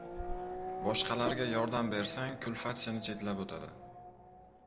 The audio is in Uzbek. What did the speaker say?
• Boshqalarga yordam bersang, kulfat seni chetlab o‘tadi.